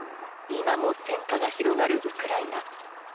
今も戦火が広がるウクライナ。